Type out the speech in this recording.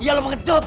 iya lu pengecut